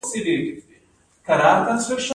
د فروزن سیکشن عملیاتو په وخت معاینه ده.